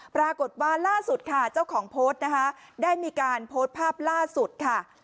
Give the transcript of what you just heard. ปรากฏว่าล่าสุดค่ะเจ้าของโพสต์นะคะได้มีการโพสต์ภาพล่าสุดค่ะ